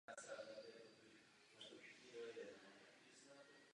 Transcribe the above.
Můžeme toho dosáhnout zavedením přísnějších požadavků.